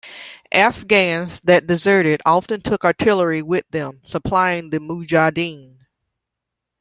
Afghans that deserted often took artillery with them, supplying the mujahideen.